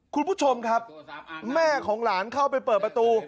คุณผู้ชมครับแม่ของหลานเข้าไปเปิดประตู